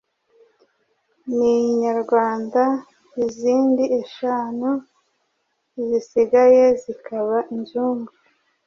ni inyarwanda izindi eshanu zisigaye zikaba inzungu.